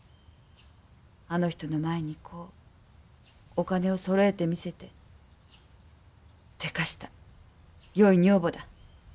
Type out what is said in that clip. あの人の前にこうお金をそろえて見せて「でかした！よい女房だ。